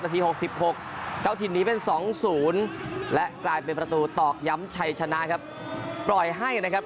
นาที๖๖เข้าทิศหนีเป็น๒๐และกลายเป็นประตูตอกย้ำชัยชนะครับ